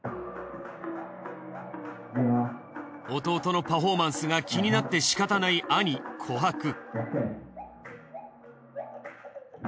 弟のパフォーマンスが気になってしかたない兄琥珀。